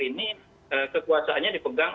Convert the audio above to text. ini kekuasaannya dipegang